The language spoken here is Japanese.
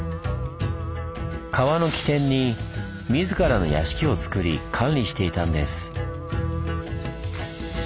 川の起点に自らの屋敷をつくり管理していたんです。